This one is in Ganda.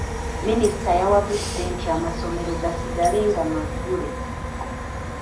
Minisita yawabudde nti amasomero gasigale nga maggule.